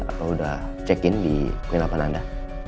atau udah check in di kuliah delapan anda